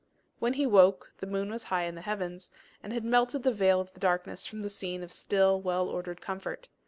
When he woke, the moon was high in the heavens, and had melted the veil of the darkness from the scene of still, well ordered comfort.